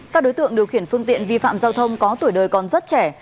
các đối tượng điều khiển phương tiện vi phạm giao thông có tuổi đời còn rất trẻ